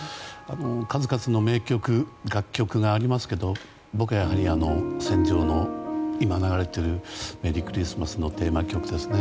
数々の名曲、楽曲がありますけど僕はやはり、今流れている「戦場のメリークリスマス」のテーマ曲ですね。